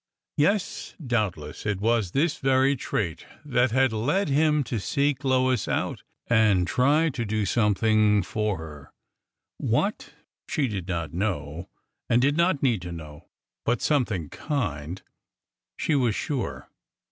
Yes, doubtless it was this very trait that had led him to seek Lois out and try to do something for her — what, she did not know and did not need to know, but something kind, she was sure.